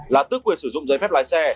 là tước quyền sử dụng giấy phép lái xe